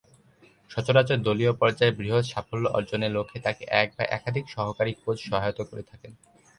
সচরাচর দলীয় পর্যায়ে বৃহৎ সাফল্য অর্জনের লক্ষ্যে তাকে এক বা একাধিক সহকারী কোচ সহায়তা করে থাকেন।